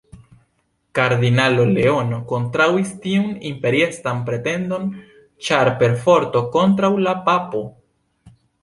Kardinalo Leono kontraŭis tiun imperiestran pretendon ĉar perforto kontraŭ la papo.